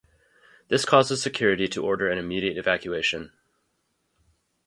This causes security to order an immediate evacuation.